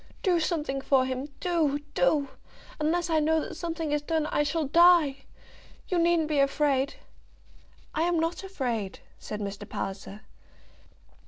"Do something for him; do, do. Unless I know that something is done, I shall die. You needn't be afraid." "I'm not afraid," said Mr. Palliser.